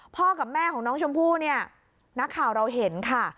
พ่อกับแม่ของน้องชมพู่เนี่ยนักข่าวเราเห็นค่ะ